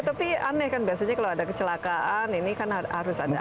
tapi aneh kan biasanya kalau ada kecelakaan ini kan harus ada